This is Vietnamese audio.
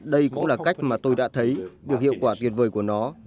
đây cũng là cách mà tôi đã thấy được hiệu quả tuyệt vời của nó